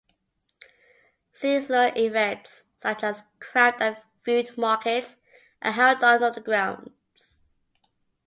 Seasonal events, such as craft and food markets, are held on the grounds.